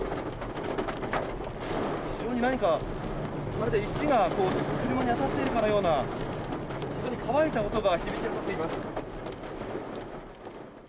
非常に何か、石が車に当たっているかのような非常に乾いた音が響き渡っています。